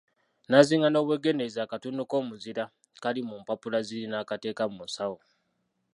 N'azinga n'obwegendereza akatundu k'omuzira kali mu mpapula ziri n'akateeka mu nsawo ye.